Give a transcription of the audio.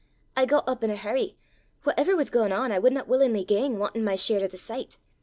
I got up in a hurry: whatever was gaein' on, I wudna wullin'ly gang wantin' my share o' the sicht!